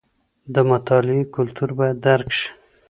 د مطالعې کلتور باید درک شي.